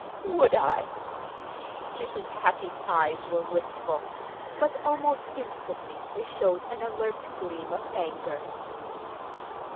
"Would I?" Mrs. Hattie's eyes were wistful, but almost instantly they showed an alert gleam of anger.